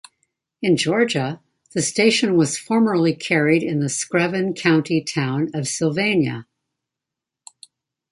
In Georgia, the station was formerly carried in the Screven County town of Sylvania.